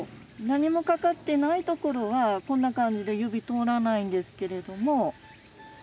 何もかかってないところはこんな感じで指通らないんですけれども。